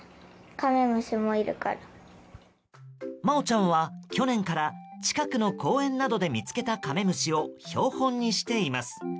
茉織ちゃんは去年から近くの公園などで見つけたカメムシを標本にしています。